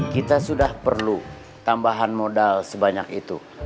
kita sudah perlu tambahan modal sebanyak itu